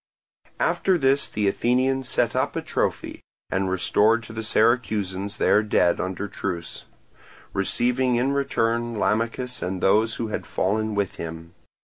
After this the Athenians set up a trophy and restored to the Syracusans their dead under truce, receiving in return Lamachus and those who had fallen with him.